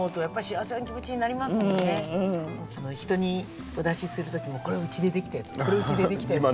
まず人にお出しするときも「これうちで出来たやつこれうちで出来たやつ」って。